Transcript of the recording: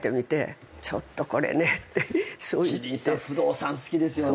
不動産好きですよね。